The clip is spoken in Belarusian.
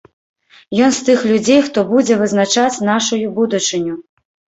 Ён з тых людзей, хто будзе вызначаць нашую будучыню.